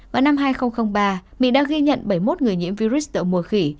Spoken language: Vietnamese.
vào năm hai nghìn ba mỹ đã ghi nhận bảy mươi một người nhiễm virus mùa khỉ